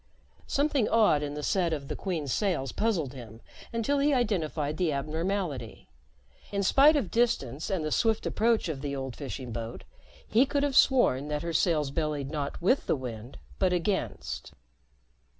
Something odd in the set of the Queen's sails puzzled him until he identified the abnormality. In spite of distance and the swift approach of the old fishing boat, he could have sworn that her sails bellied not with the wind, but against.